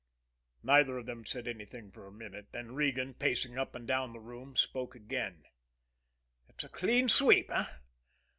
Neither of them said anything for a minute; then Regan, pacing up and down the room, spoke again: "It's a clean sweep, eh?